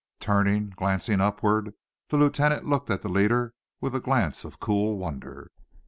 Turning, glancing upward, the lieutenant looked at the leader with a glance of cool wonder.